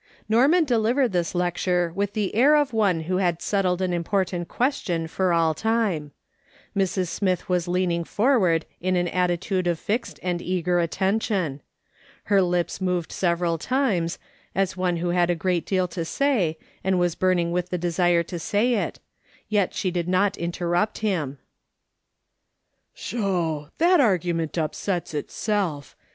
"' Norman delivered this lecture with the air of one who had settled an important question for all time. ]\Irs. Smith was leaning forward in an attitude of fixed and eager attention. Her lips moved several times, as one who had a great deal to say, and was burning with the desire to say it, yet she did not interrupt him. " Sho ! that argument upsets itself